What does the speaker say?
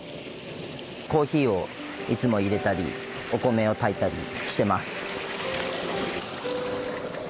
コーヒーをいつもいれたりお米を炊いたりしてます。